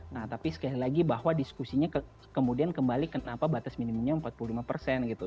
nah tapi sekali lagi bahwa diskusinya kemudian kembali kenapa batas minimumnya empat puluh lima persen gitu